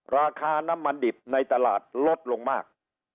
ราคาน้ำมันดิบในตลาดลดลงมาก